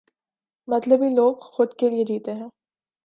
مطلبی لوگ خود کے لئے جیتے ہیں۔